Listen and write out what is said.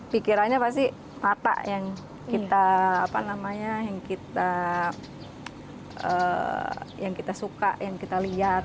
pikirannya pasti mata yang kita suka yang kita lihat